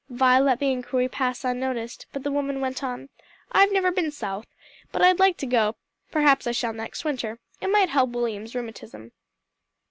Vi let the inquiry pass unnoticed, but the woman went on, "I've never been South, but I'd like to go; perhaps I shall next winter. It might help William's rheumatism."